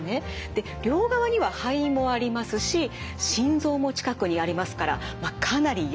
で両側には肺もありますし心臓も近くにありますからかなりやっかいということなんです。